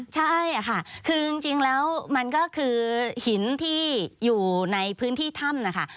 ใช่ค่ะคือจริงแล้วมันก็คือหินที่อยู่ในพื้นที่ถ้ำนะคะ